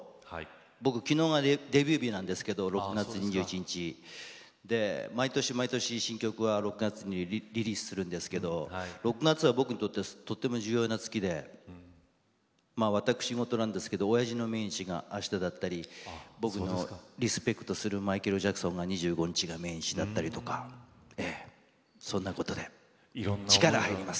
僕、きのうがデビュー日なんですけど６月２１日毎年毎年新曲は６月にリリースするんですけれども６月は僕にとってとても重要な月で私事なんですけれどもおやじの命日があしただったり僕のリスペクトするマイケル・ジャクソンが２５日が命日だったりとかそんなことで力、入ります。